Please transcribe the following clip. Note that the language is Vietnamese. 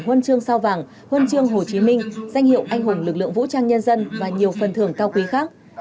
huân chương sao vàng huân chương hồ chí minh danh hiệu anh hùng lực lượng vũ trang nhân dân và nhiều phần thưởng cao quý khác